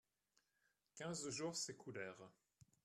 Quinze jours s'écoulèrent.